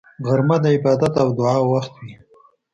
غرمه د عبادت او دعا وخت وي